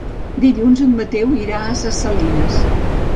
Dilluns en Mateu irà a Ses Salines.